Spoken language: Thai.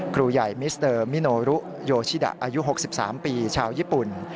ครูใหญ่มิสเตอร์มิโนรุโยชิดะอายุ๖๓ปีชาวญี่ปุ่น